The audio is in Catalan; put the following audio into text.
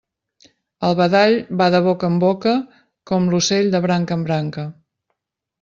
El badall va de boca en boca com l'ocell de branca en branca.